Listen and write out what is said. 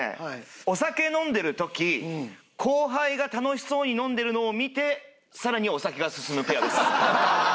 「お酒飲んでる時後輩が楽しそうに飲んでるのを見て更にお酒が進むペア」です。